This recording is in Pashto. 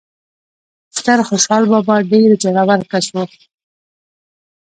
ستر خوشال بابا ډیر زړه ور کس وو